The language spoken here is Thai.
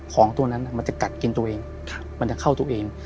ของตัวนั้นมันจะกัดกินตัวเองมันจะเข้าตัวเอง